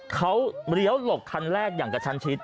เขาเลี้ยวหลบคันแรกอย่างกระชันชิด